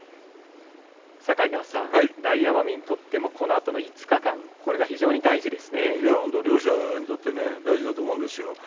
境川さん、大奄美にとってもこのあとの５日間両者にとって大事だと思うんですよ